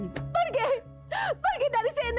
pergi pergi dari sini